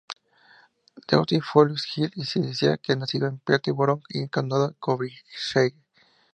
Theophilus Hill, y se decía que había nacido en Peterborough, condado de Cambridgeshire.